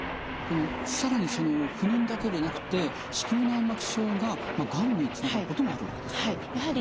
更にその不妊だけでなくて子宮内膜症ががんにつながることもあるわけですか？